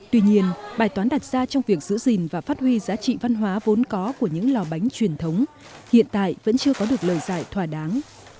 tuy nhiên bài toán đặt ra trong việc giữ gìn và phát huy giá trị văn hóa vốn có của những lò bánh truyền thống hiện tại vẫn chưa có được lời giải thỏa đáng